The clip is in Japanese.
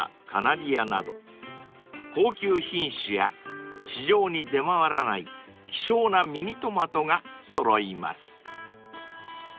［高級品種や市場に出回らない希少なミニトマトが揃います］